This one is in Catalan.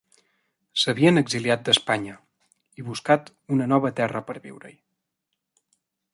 S'havien exiliat d'Espanya i buscat una nova terra per viure-hi.